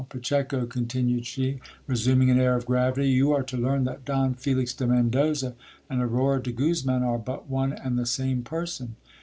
Pacheco, continued she, resuming an air of gravity ; you are to learn that Don Felix de Mendoza and Aurora de Guzman are but one and the same person.